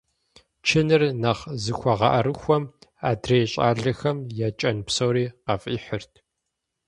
Чыныр нэхъ зыхуэгъэӀэрыхуэм адрей щӀалэхэм я кӀэн псори къафӀихьырт.